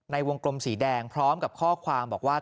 ในวงกลมสีแดงพร้อมกับข้อความบอกว่า